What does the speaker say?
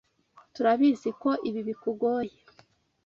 Turabizi ko ibi bikugoye.